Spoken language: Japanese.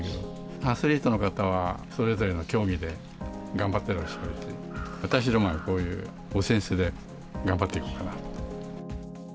アスリートの方はそれぞれの競技で頑張ってらっしゃるし、私どもはこういう扇子で、頑張っていこうかなと。